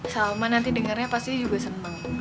salma nanti dengarnya pasti juga senang